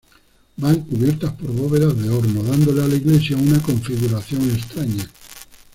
Van cubiertas por bóvedas de horno, dándole a la iglesia una configuración extraña.